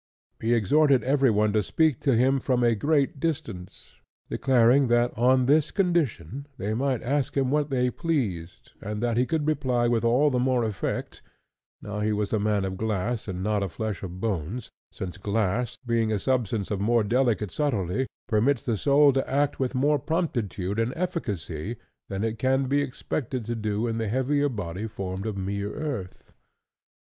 He exhorted every one to speak to him from a great distance; declaring that on this condition they might ask him what they pleased, and that he could reply with all the more effect, now he was a man of glass and not of flesh and bones, since glass, being a substance of more delicate subtlety, permits the soul to act with more promptitude and efficacy than it can be expected to do in the heavier body formed of mere earth.